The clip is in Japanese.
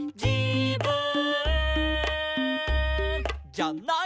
「じゃない」